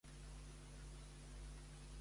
Com valora els resultats andalusos?